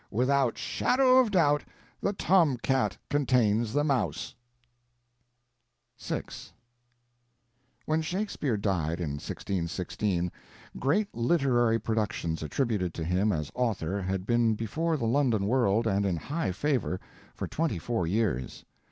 without shadow of doubt the tom cat contains the mouse_." VI When Shakespeare died, in 1616, great literary productions attributed to him as author had been before the London world and in high favor for twenty four years.